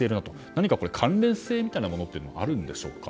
何か関連性みたいなものってあるんでしょうか。